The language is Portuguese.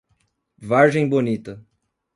Vargem Bonita